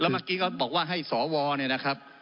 เมื่อกี้ก็บอกว่าให้สวเนี่ยนะครับ